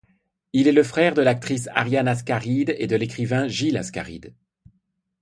Il est le frère de l'actrice Ariane Ascaride et de l'écrivain Gilles Ascaride.